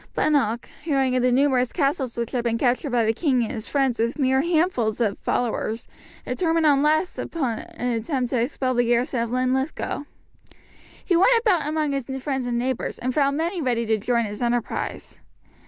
Bunnock, hearing of the numerous castles which had been captured by the king and his friends with mere handfuls of followers, determined at last upon an attempt to expel the garrison of Linlithgow. He went about among his friends and neighbours, and found many ready to join his enterprise.